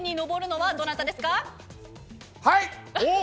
はい。